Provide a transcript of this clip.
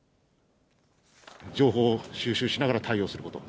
情報を収集しながら対応すること。